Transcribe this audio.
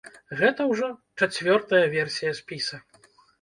Гэта ўжо чацвёртая версія спіса.